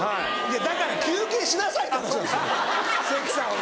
だから休憩しなさいって話なんですよ関さんは。